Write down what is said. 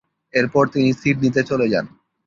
এরপর তিনি সিডনিতে চলে যান।